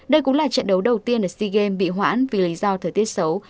đây cũng là trận đấu đầu tiên ở sea games bị hoãn vì lý do thời tiết xấu